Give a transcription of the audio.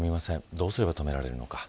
どうすれば止められるのか。